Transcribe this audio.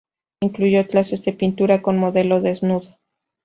Incluyó clases de pintura con modelo desnudo.